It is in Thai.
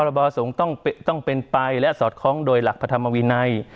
บอสงฆ์ต้องเป็นไปและสอดคล้องโดยหลักพระธรรมวินัย